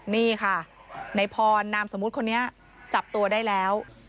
นี่ค่ะในพรนามสมมุติคนนี้จับตัวได้แล้ว